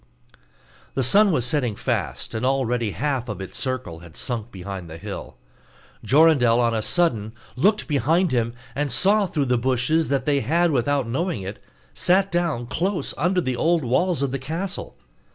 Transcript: The sun was setting fast, and already half of its circle had sunk behind the hill: Jorindel on a sudden looked behind him, and saw through the bushes that they had, without knowing it, sat down close under the old walls of the castle.